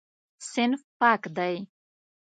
صنف پاک دی.